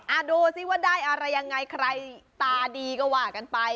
ดูสิว่าได้อะไรยังไงใครตาดีก็ว่ากันไป